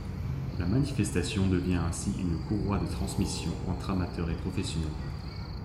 La manifestation devient ainsi une courroie de transmission entre amateurs et professionnels.